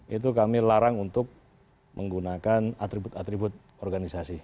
itu kami larang untuk menggunakan atribut atribut organisasi